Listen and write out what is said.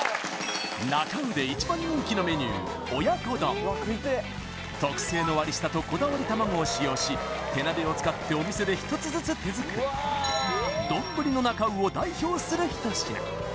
なか卯で一番人気のメニュー特製の割下とこだわり卵を使用し手鍋を使ってお店で一つずつ手作りを代表する一品